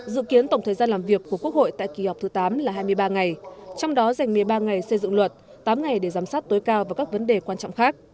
dự kiến tổng thời gian làm việc của quốc hội tại kỳ họp thứ tám là hai mươi ba ngày trong đó dành một mươi ba ngày xây dựng luật tám ngày để giám sát tối cao và các vấn đề quan trọng khác